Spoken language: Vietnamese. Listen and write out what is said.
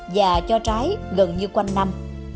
và cho trái gần như quanh năm